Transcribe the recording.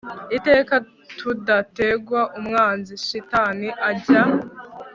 iteka tudategwa, umwanzi shitani ajya